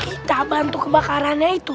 kita bantu kebakarannya itu